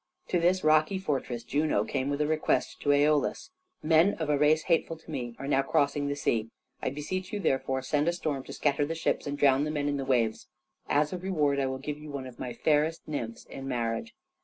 To this rocky fortress Juno came with a request to Æolus. "Men of a race hateful to me are now crossing the sea. I beseech you, therefore, send a storm to scatter the ships and drown the men in the waves. As a reward I will give you one of my fairest nymphs in marriage."